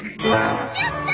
ちょっと！